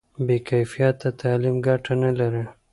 بې کیفیته تعلیم ګټه نه لري.